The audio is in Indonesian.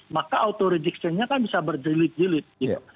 maka auto reduction nya kan bisa berjilid jilid gitu